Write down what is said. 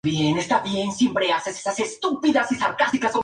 El equipo nunca han ganado la competición.